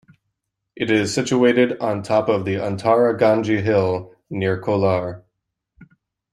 It is situated on top of the Antara Gange hill near Kolar.